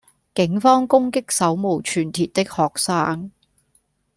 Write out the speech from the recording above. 警方攻擊手無寸鐵的學生